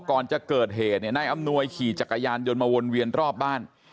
ก่อนจะเกิดเหตุเนี่ยนายอำนวยขี่จักรยานยนต์มาวนเวียนรอบบ้าน